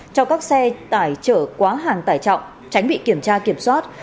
cho các xe tải chở quá hàng tải trọng tránh bị kiểm tra kiểm soát